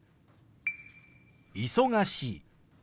「忙しい」。